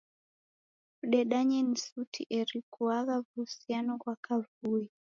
Kudedanya ni suti eri kuagha w'uhusiano ghwa kavui.